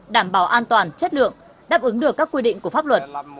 đảm bảo an toàn chất lượng đáp ứng được các quy định của pháp luật